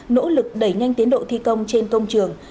nỗ lực đẩy nhanh tiến độ thi công trên công trường